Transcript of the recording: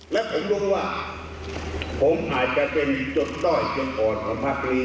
และของลุงว่าผมอาจจะเป็นจดต้อยของภักดิ์นี้